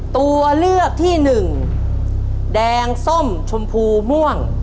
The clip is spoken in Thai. ตัวเลือกที่หนึ่งแดงส้มชมพูม่วง